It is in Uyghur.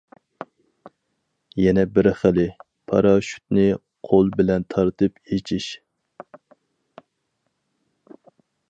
يەنە بىر خىلى، پاراشۇتنى قول بىلەن تارتىپ ئېچىش.